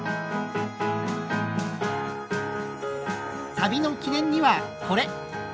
旅の記念にはこれ！